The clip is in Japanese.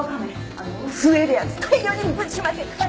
あの増えるやつ大量にぶちまけたい！